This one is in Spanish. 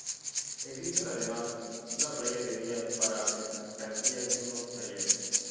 Existe además, una playa de vías para mercancías y unos talleres.